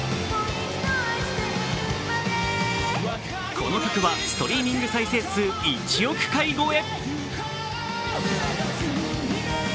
この曲はストリーミング再生数１億回超え。